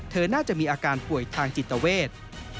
น่าจะมีอาการป่วยทางจิตเวท